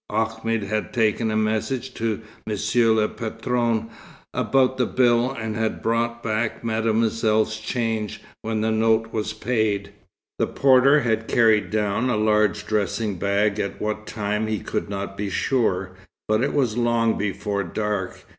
Ahmed had taken a message to Monsieur le Patron, about the bill, and had brought back Mademoiselle's change, when the note was paid. The porter had carried down a large dressing bag, at what time he could not be sure, but it was long before dark.